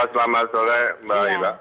selamat sore mbak iba